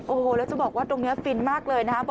โอ้โหแล้วจะบอกว่าตรงนี้ฟินมากเลยนะครับ